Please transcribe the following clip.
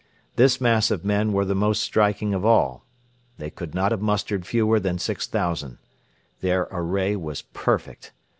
This mass of men were the most striking of all. They could not have mustered fewer than 6,000. Their array was perfect.